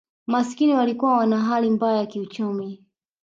Maskini walikuwa wana hali mabaya kiuchumi